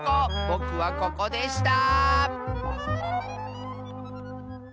ぼくはここでした！